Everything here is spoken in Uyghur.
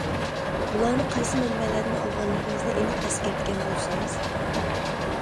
بۇلارنى قايسى مەنبەلەردىن ئالغانلىقىڭىزنى ئېنىق ئەسكەرتكەن بولسىڭىز.